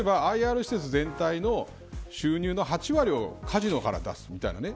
例えばＩＲ施設での収入の８割をカジノから出すみたいなね